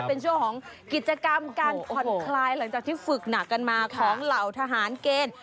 เป็นช่วงของกิจกรรมการผ่อนคลายหลังจากที่ฝึกหนักกันมาของเหล่าทหารเกณฑ์